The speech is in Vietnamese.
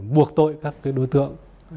buộc tội các đối tượng